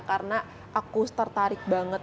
karena aku tertarik banget